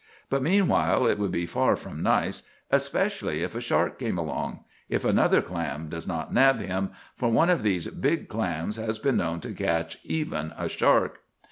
But meanwhile it would be far from nice, especially if a shark came along—if another clam does not nab him, for one of these big clams has been known to catch even a shark.